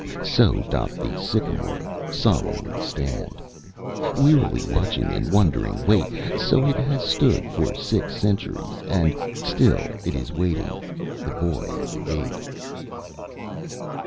So doth the sycamore solemnly stand, Wearily watching in wondering wait; So it has stood for six centuries, and Still it is waiting the boy at the gate."